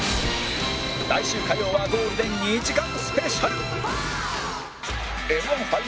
来週火曜はゴールデン２時間スペシャル